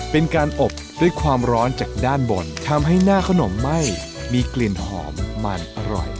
เป็นการอบด้วยความร้อนจากด้านบนทำให้หน้าขนมไหม้มีกลิ่นหอมมันอร่อย